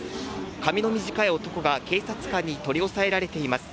髪の短い男が警察官に取り押さえられています。